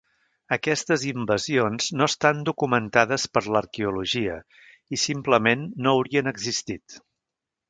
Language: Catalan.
Aquestes invasions no estan documentades per l'arqueologia i, simplement, no haurien existit.